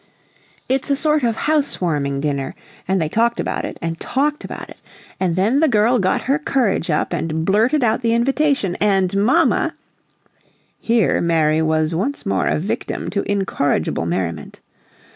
It's a sort of house warming dinner, and they talked about it and talked about it and then the girl got her courage up and blurted out the invitation. And mamma " Here Mary was once more a victim to incorrigible merriment.